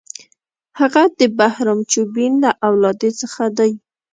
هغه د بهرام چوبین له اولادې څخه دی.